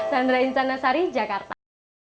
sandra insan nasari jakarta